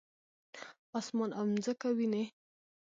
اسمان او مځکه وینې؟